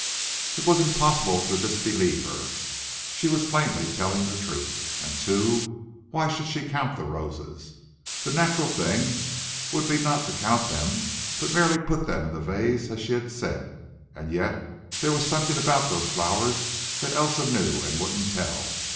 It was impossible to disbelieve her; she was plainly telling the truth. And, too, why should she count the roses? The natural thing would be not to count them, but merely to put them in the vase as she had said. And yet, there was something about those flowers that Elsa knew and wouldn't tell.